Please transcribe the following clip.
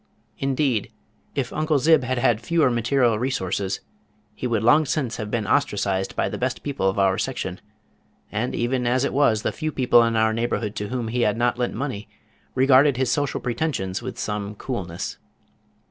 Indeed, if Uncle Zib had had fewer material resources he would long since have been ostracised by the best people of our section, and even as it was the few people in our neighborhood to whom he had not lent money regarded his social pretensions with some coolness.